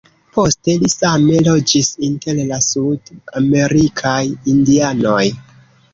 Poste li same loĝis inter la sud-amerikaj indianoj.